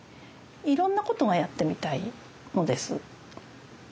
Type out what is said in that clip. いろんなことがやってみたいのです。